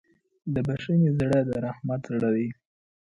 د بښنې زړه د رحمت زړه دی.